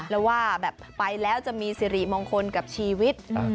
แล้วว่าแบบไปแล้วจะมีสิริมงคลกับชีวิต